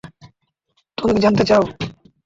তুমি কি জানতে চাও?